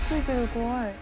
怖い。